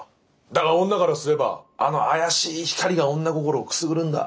だが女からすればあの怪しい光が女心をくすぐるんだ。